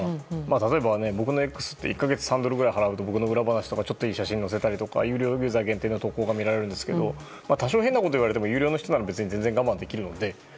例えば、僕の「Ｘ」は１か月３ドルくらい払うと僕の裏話とかちょっといい写真が見られたり、有料ユーザー限定の投稿が見られるんですけど多少変なことを言われても有料の人なら全然我慢できるので。